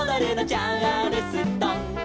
「チャールストン」